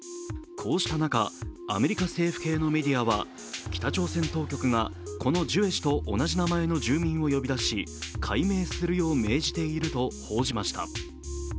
こうした中、アメリカ政府系のメディアは北朝鮮当局がこのジュエ氏と同じ名前の住民を呼び出し改名するよう命じていると報じました。